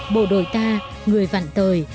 bộ đội ta người vặn tời